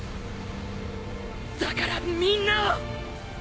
だからみんなを！